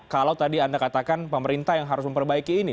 kalau tadi anda katakan pemerintah yang harus memperbaiki ini